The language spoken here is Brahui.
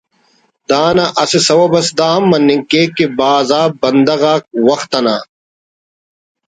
دانا اسہ سوب اس دا ہم مننگ کیک کہ بھاز آ بندغ آک وخت آن